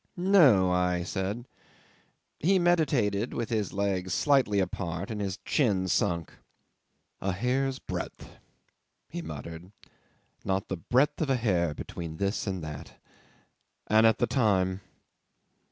'"No," I said. He meditated, with his legs slightly apart and his chin sunk. "A hair's breadth," he muttered. "Not the breadth of a hair between this and that. And at the time